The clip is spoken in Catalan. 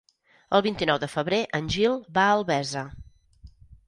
El vint-i-nou de febrer en Gil va a Albesa.